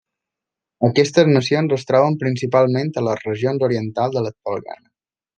Aquestes nacions es troben principalment en les regions orientals de l'actual Ghana.